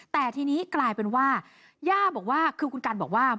แต่ทีนี้กลายเป็นว่าย่าบอกว่าคือคุณกันบอกว่า